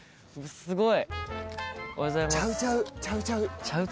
すごい。